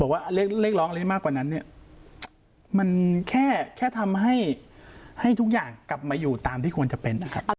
ว่าเรียกร้องอะไรได้มากกว่านั้นเนี่ยมันแค่ทำให้ทุกอย่างกลับมาอยู่ตามที่ควรจะเป็นนะครับ